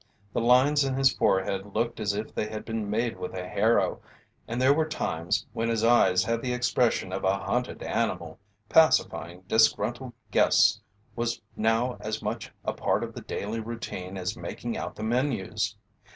The lines in his forehead looked as if they had been made with a harrow and there were times when his eyes had the expression of a hunted animal. Pacifying disgruntled guests was now as much a part of the daily routine as making out the menus.